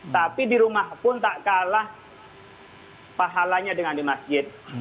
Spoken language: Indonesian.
tapi di rumah pun tak kalah pahalanya dengan di masjid